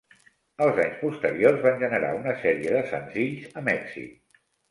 Els anys posteriors van generar una sèrie de senzills amb èxit.